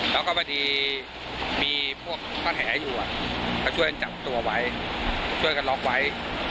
แล้วก็พอดีมีพวกท่อนแหอยู่ก็ช่วยกันจับตัวไว้ช่วยกันล็อกไว้